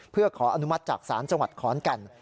เพื่อขออนุมัติจากสารสวรรค์ขอนกัน